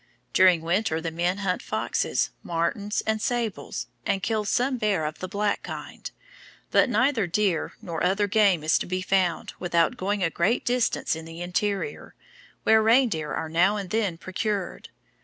During winter the men hunt Foxes, Martens, and Sables, and kill some bear of the black kind, but neither Deer nor other game is to be found without going a great distance in the interior, where Reindeer are now and then procured.